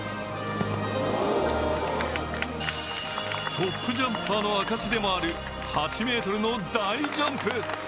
トップジャンパーの証しでもある８ｍの大ジャンプ。